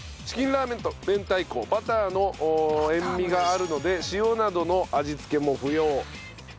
チキンラーメンと明太子バターの塩味があるので塩などの味付けも不要。